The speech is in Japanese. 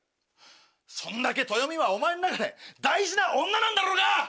そんだけ豊美はお前の中で大事な女なんだろうが！